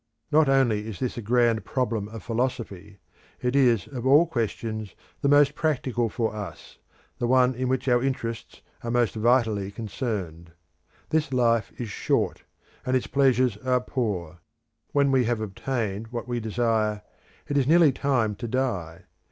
Not only is this a grand problem of philosophy; it is of all questions the most practical for us, the one in which our interests are most vitally concerned. This life is short; and its pleasures are poor; when we have obtained what we desire, it is nearly time to die.